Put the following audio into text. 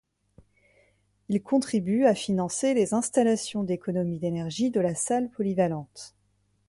Il contribue à financer les installations d'économies d'énergie de la salle polyvalente.